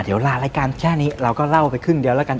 เดี๋ยวลารายการแค่นี้เราก็เล่าไปครึ่งเดียวแล้วกัน